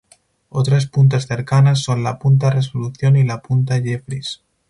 Otras puntas cercanas son la punta Resolución y la punta Jeffries.